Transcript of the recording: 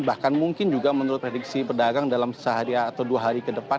bahkan mungkin juga menurut prediksi pedagang dalam sehari atau dua hari ke depan